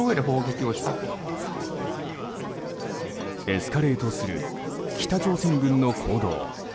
エスカレートする北朝鮮軍の行動。